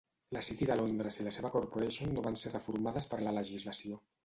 La City de Londres i la seva Corporation no van ser reformades per la legislació.